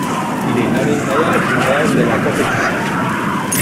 Il est nommé meilleur joueur de la compétition.